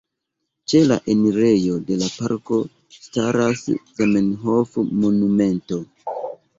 Ĉe la enirejo de la parko staras Zamenhof-monumento.